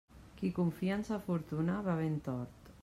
Qui confia en sa fortuna va ben tort.